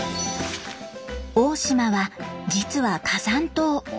黄島は実は火山島。